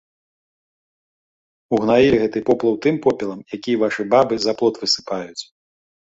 Угнаілі гэты поплаў тым попелам, які вашы бабы за плот высыпаюць.